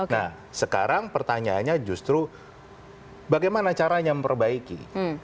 nah sekarang pertanyaannya justru bagaimana caranya memperbaiki